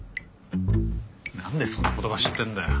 なんでそんな言葉知ってんだよ。